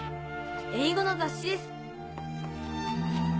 英語の雑誌です。